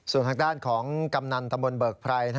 ส่วนทางด้านของกำนันตำบลเบิกไพร